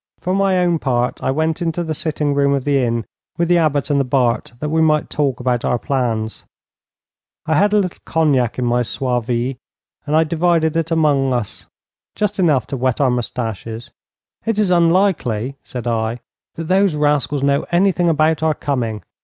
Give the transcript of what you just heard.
For my own part I went into the sitting room of the inn with the Abbot and the Bart, that we might talk about our plans. I had a little cognac in my sauve vie, and I divided it among us just enough to wet our moustaches. 'It is unlikely,' said I, 'that those rascals know anything about our coming.